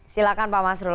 silakan pak masrul